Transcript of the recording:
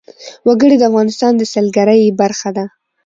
وګړي د افغانستان د سیلګرۍ برخه ده.